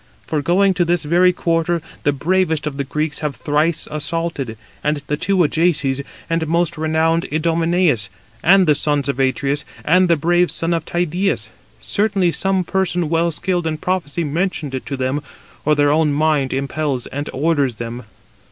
For going to this very quarter, the bravest [of the Greeks] have thrice assaulted, the two Ajaces, and most renowned Idomeneus, and the sons of Atreus, and the brave son of Tydeus. Certainly some person well skilled in prophecy mentioned it to them, or their own mind impels and orders them."